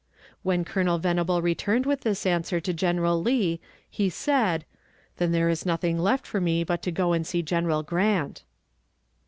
When Colonel Venable returned with this answer to General Lee, he said, "Then there is nothing left me but to go and see General Grant."